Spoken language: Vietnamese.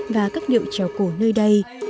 và các điệu trèo cổ nơi đây